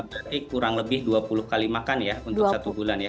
berarti kurang lebih dua puluh kali makan ya untuk satu bulan ya